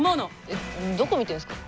えっどこ見てんすか？